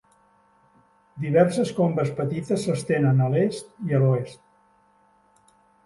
Diverses combes petites s'estenen a l'est i l'oest.